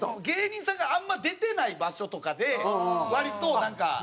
芸人さんがあんま出てない場所とかで割となんか。